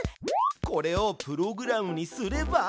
これをプログラムにすれば。